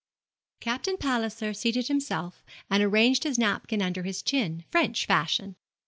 Captain Palliser seated himself, and arranged his napkin under his chin, French fashion.